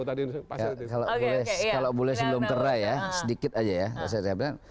kalau boleh sebelum kera ya sedikit aja ya